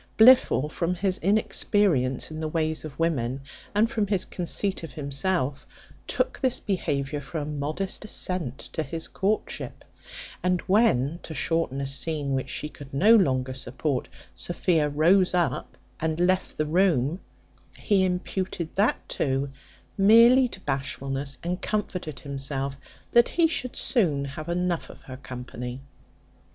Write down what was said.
Blifil, from his inexperience in the ways of women, and from his conceit of himself, took this behaviour for a modest assent to his courtship; and when, to shorten a scene which she could no longer support, Sophia rose up and left the room, he imputed that, too, merely to bashfulness, and comforted himself that he should soon have enough of her company.